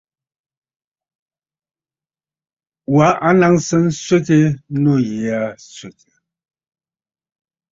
Wa a naŋsə nswegə nû yì aa swègə̀.